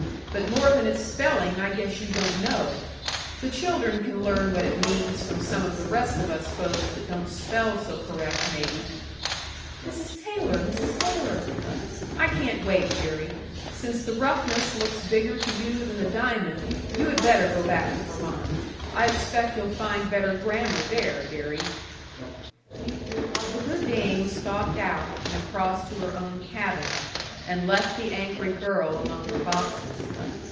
But more than its spelling I guess you don't know. The children can learn what it means from some of the rest of us folks that don't spell so correct, maybe." "Mrs. Taylor, Mrs. Taylor " "I can't wait, deary. Since the roughness looks bigger to you than the diamond, you had better go back to Vermont. I expect you'll find better grammar there, deary." The good dame stalked out, and across to her own cabin, and left the angry girl among her boxes.